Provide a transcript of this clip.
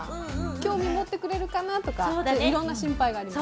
興味持ってくれるかなとか、いろんな心配があります。